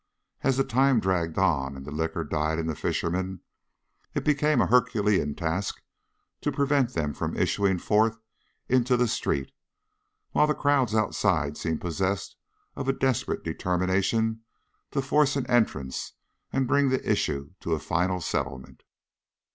As the time dragged on, and the liquor died in the fishermen, it became a herculean task to prevent them from issuing forth into the street, while the crowds outside seemed possessed of a desperate determination to force an entrance and bring the issue to a final settlement.